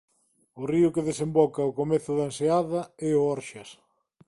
O río que desemboca ao comezo da enseada é o Orxas.